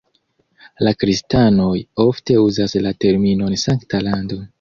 La kristanoj ofte uzas la terminon "Sankta Lando".